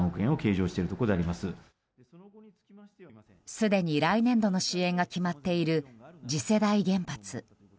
すでに来年度の支援が決まっている次世代原発。